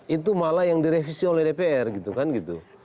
itu malah yang direvisi oleh dpr gitu kan gitu